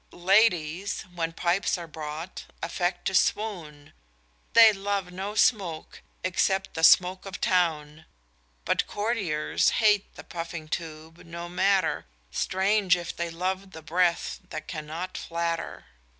Ladies, when pipes are brought, affect to swoon; They love no smoke, except the smoke of Town; But courtiers hate the puffing tube no matter, Strange if they love the breath that cannot flatter!